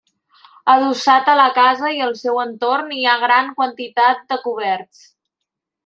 Adossats a la casa i al seu entorn hi ha gran quantitat de coberts.